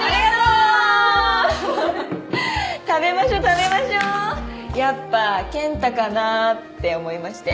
食べましょう食べましょうやっぱケンタかなって思いまして